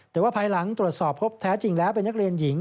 แต่ว่าภายหลังตรวจสอบพบแท้จริงแล้วเป็นนักเรียนหญิง